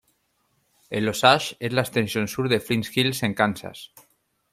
El Osage es la extensión sur de Flint Hills en Kansas.